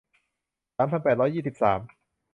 สามพันแปดร้อยสี่สิบสาม